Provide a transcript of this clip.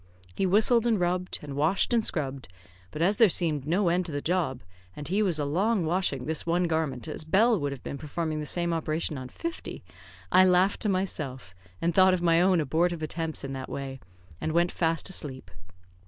He whistled and rubbed, and washed and scrubbed, but as there seemed no end to the job, and he was a long washing this one garment as Bell would have been performing the same operation on fifty, I laughed to myself, and thought of my own abortive attempts in that way, and went fast asleep.